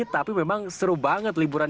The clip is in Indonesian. tapi memang seru banget liburan